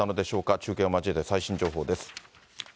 中継を交えて、最新情報です。